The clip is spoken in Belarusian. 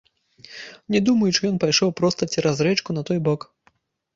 Не думаючы, ён пайшоў проста цераз рэчку на той бок.